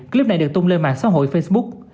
clip này được tung lên mạng xã hội facebook